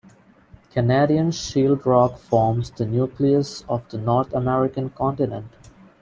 Canadian Shield rock forms the nucleus of the North American continent.